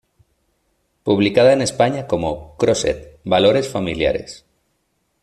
Publicada en España como "Crossed: Valores Familiares".